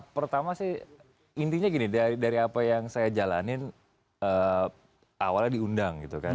pertama sih intinya gini dari apa yang saya jalanin awalnya diundang gitu kan